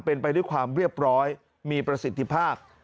เป็นไปด้วยความเรียบร้อยมีประสิทธิภาพ